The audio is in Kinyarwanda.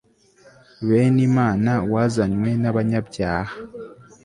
bene imana, wazanywe n'abanyabyaha